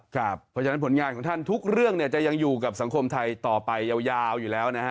คุณธงยันตีครับ